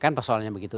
kan persoalannya begitu